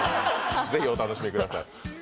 ぜひお楽しみください。